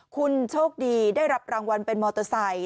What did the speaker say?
คุณโชคดีได้รับรางวัลเป็นมอเตอร์ไซค